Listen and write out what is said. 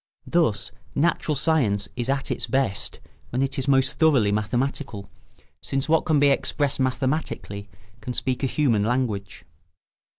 Thus natural science is at its best when it is most thoroughly mathematical, since what can be expressed mathematically can speak a human language.